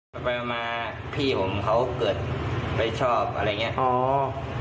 ไปมาพี่ผมเขาเกิดไม่ชอบอะไรอย่างนี้